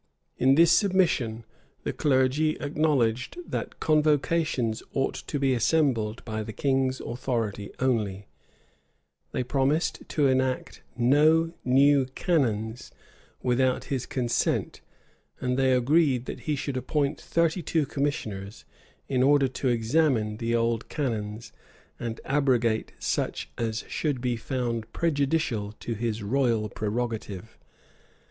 [] In this submission, the clergy acknowledged that convocations ought to be assembled by the king's authority only; they promised to enact no new canons without his consent; and they agreed that he should appoint thirty two commissioners, in order to examine the old canons, and abrogate such as should be found prejudicial to his royal prerogative.